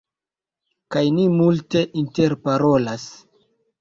Kaj ni multe interparolas